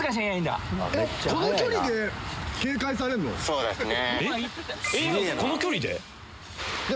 そうですね。